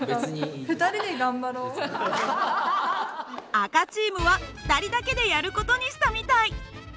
赤チームは２人だけでやる事にしたみたい。